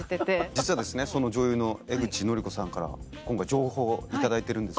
実はその女優の江口のりこさんから今回情報を頂いてるんです。